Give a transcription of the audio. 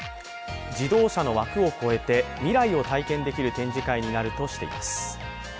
自動車の枠を越えて、未来を体験できる展示会になるとしています。